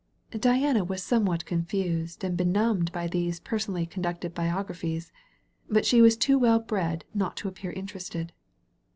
Diana was somewhat confused and benumbed by these personally conducted biographies, but she was too well bred not to appear interested.